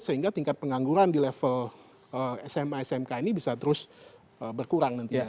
sehingga tingkat pengangguran di level sma smk ini bisa terus berkurang nantinya